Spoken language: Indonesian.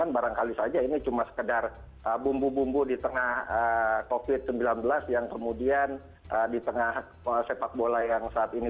barangkali saja ini cuma sekedar bumbu bumbu di tengah covid sembilan belas yang kemudian di tengah sepak bola yang saat ini